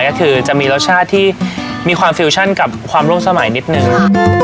ก็คือจะมีรสชาติที่มีความฟิวชั่นกับความร่วมสมัยนิดนึง